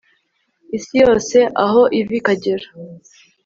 isi yose, aho iva ikagera